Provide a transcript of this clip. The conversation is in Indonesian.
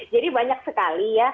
jadi banyak sekali ya